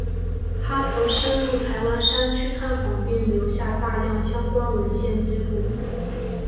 他曾深入台湾山区探访并留下大量相关文献纪录。